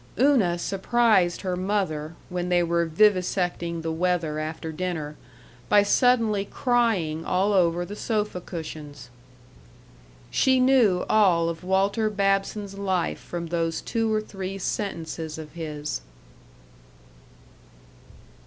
Una surprised her mother, when they were vivisecting the weather after dinner, by suddenly crying all over the sofa cushions. She knew all of Walter Babson's life from those two or three sentences of his.